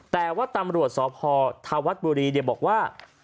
แต่ว่าตำรวจสอบพอร์ทวัดบุรีบอกว่า